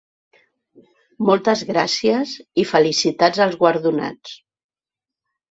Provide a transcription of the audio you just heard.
Moltes gràcies i felicitats als guardonats.